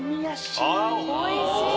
おいしい。